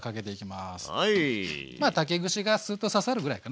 まあ竹串がすっと刺さるぐらいかな